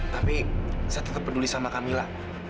tapi saya tetap peduli sama kamila